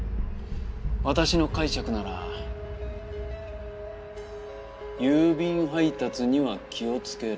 私の解釈なら郵便配達には気をつけろ。